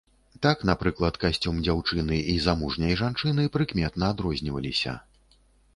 Так напрыклад касцюм дзяўчыны і замужняй жанчыны прыкметна адрозніваліся.